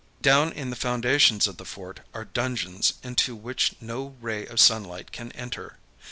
Down in the foundations of the fort are dungeons into which no ray of sunlight can enter.